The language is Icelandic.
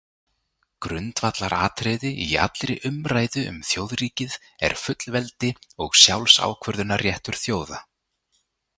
Grundvallaratriði í allri umræðu um þjóðríkið er fullveldi og sjálfsákvörðunarréttur þjóða.